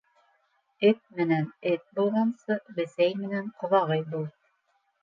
Эт менән эт булғансы, бесәй менән ҡоҙағый бул.